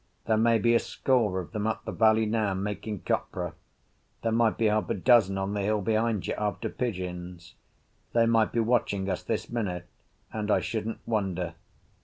There may be a score of them up the valley now, making copra; there might be half a dozen on the hill behind you, after pigeons; they might be watching us this minute, and I shouldn't wonder.